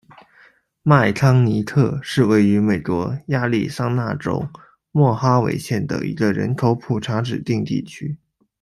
麦康尼科是位于美国亚利桑那州莫哈维县的一个人口普查指定地区。